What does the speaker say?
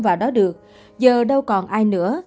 vào đó được giờ đâu còn ai nữa